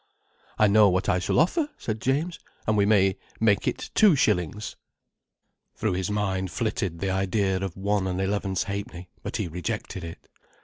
"I know what I shall offer," said James. "And we may make it two shillings." Through his mind flitted the idea of 1/11 1/2—but he rejected it.